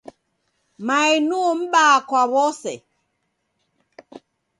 Mae nuo m'baa kwa w'ose.